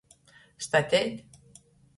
Stateit.